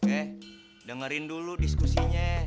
eh dengerin dulu diskusinya